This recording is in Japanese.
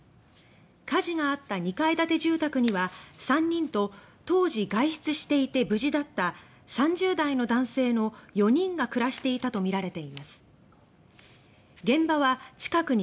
火事があった２階建て住宅には３人と当時外出していて無事だった３０代の男性の４人が暮らしていたとみられています。